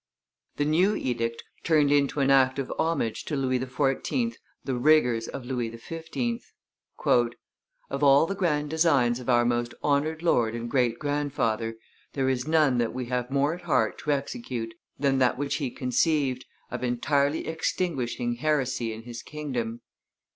The new edict turned into an act of homage to Louis XIV. the rigors of Louis XV. "Of all the grand designs of our most honored lord and great grandfather, there is none that we have more at heart to execute than that which he conceived, of entirely extinguishing heresy in his kingdom.